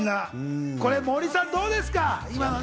森さん、どうですか？